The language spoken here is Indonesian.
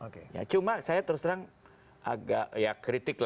kalau menurut saya agak kritik